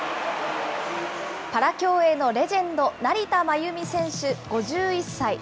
パラ競泳のレジェンド、成田真由美選手